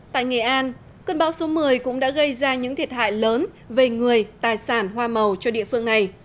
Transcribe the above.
tại nghệ an cơn bão số một mươi cũng đã gây ra những thiệt hại lớn về người tài sản hoa màu cho địa phương này